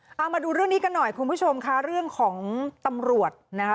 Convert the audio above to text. เอามาดูเรื่องนี้กันหน่อยคุณผู้ชมค่ะเรื่องของตำรวจนะคะ